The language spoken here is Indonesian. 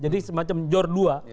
jadi semacam jor dua